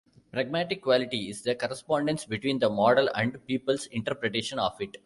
Pragmatic quality is the correspondence between the model and people's interpretation of it.